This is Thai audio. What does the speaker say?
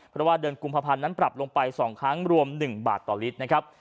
เพราะว่าเดือนกุมภาพันธ์นั้นปรับลงไป๒ครั้งรวม๑บาทต่อลิตรนะครับ